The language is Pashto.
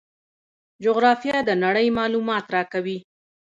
جغرافیه د نړۍ معلومات راکوي.